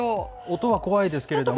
音は怖いですけれども。